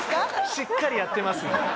しっかりやってますんで。